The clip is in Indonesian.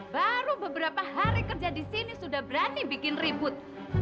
baru beberapa hari kerja di sini sudah berani bikin ribut